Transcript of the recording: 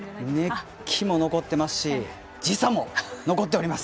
熱気も残ってますし時差も残っております！